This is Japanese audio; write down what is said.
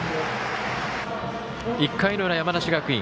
１回の裏、山梨学院。